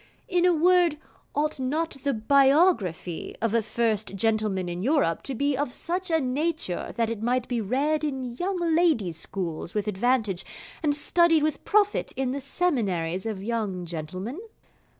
In a word, ought not the Biography of a First Gentleman in Europe to be of such a nature that it might be read in Young Ladies' Schools with advantage, and studied with profit in the Seminaries of Young Gentlemen?